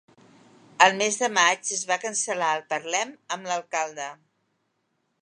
El mes de maig es va cancel·lar el Parlem amb l'alcalde